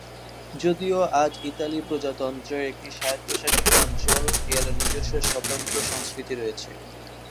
যদিও আজ ইতালি প্রজাতন্ত্রের একটি স্বায়ত্তশাসিত অঞ্চল, এর নিজস্ব স্বতন্ত্র সংস্কৃতি রয়েছে।